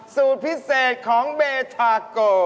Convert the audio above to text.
สูตรพิเศษของเบทาโก